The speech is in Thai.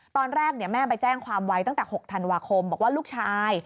ตอนแรกแม่ไปแจ้งความไว้ตั้งแต่๖ธันวาคมบอกว่าลูกชาย